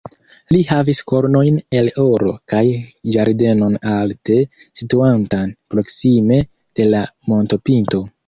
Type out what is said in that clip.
Li havis kornojn el oro kaj ĝardenon alte situantan, proksime de la montopinto.